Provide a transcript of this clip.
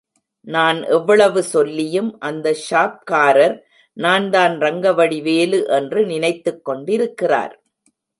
நான் எவ்வளவு சொல்லியும் அந்த ஷாப்காரர் நான்தான் ரங்கவடி வேலு என்று நினைத்துக்கொண்டிருக்கிறார்.